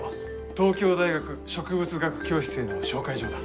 東京大学植物学教室への紹介状だ。